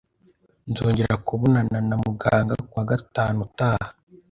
Nzongera kubonana na muganga kuwa gatanu utaha